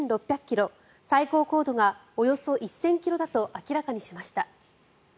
最高高度がおよそ１０００ｋｍだと明らかにしました。